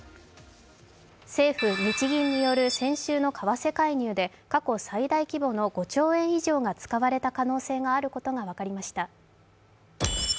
政府・日銀による先週の為替介入で過去最大規模の５兆円以上が使われた可能性があることが分かりました。